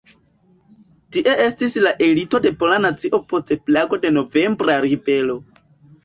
Tie estis la elito de pola nacio post plago de "Novembra Ribelo".